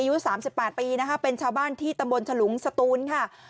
อายุสามสิบปาทปีนะคะเป็นชาวบ้านที่ตำบลชะหลุงสตูนค่ะ